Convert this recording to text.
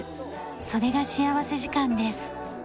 それが幸福時間です。